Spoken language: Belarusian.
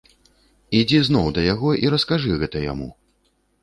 Ідзі зноў да яго і раскажы гэта яму.